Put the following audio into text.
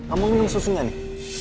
kamu minum susunya nih